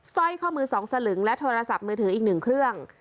สร้อยข้อมือ๒สลึงและโทรศัพท์มือถืออีก๑เครื่อง